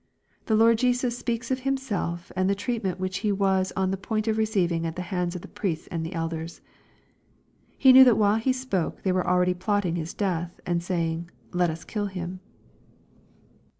The Lord Jesus speaks of Himself and the treatment which He was on the point of receiving at the hands of the priests and elders. He knew that while He spoke they were already plotting His death, and saying, " let us kill him."